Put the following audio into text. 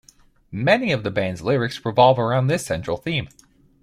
Many of the band's lyrics revolve around this central theme.